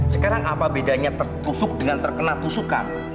sekarang apa bedanya tertusuk dengan terkena tusukan